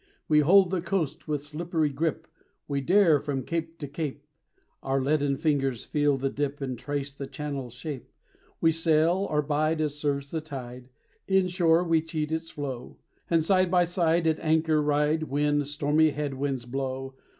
We hold the coast with slippery grip; We dare from cape to cape; Our leaden fingers feel the dip And trace the channel's shape. We sail or bide as serves the tide; Inshore we cheat its flow, And side by side at anchor ride When stormy head winds blow.